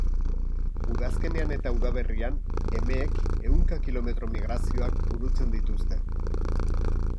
Udazkenean eta udaberrian, emeek ehunka kilometroko migrazioak burutzen dituzte.